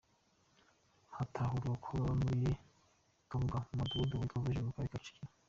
Hatahurwa ko baba muri Kabuga mu mudugudu witwa Vision’ mu Karere ka Kicukiro.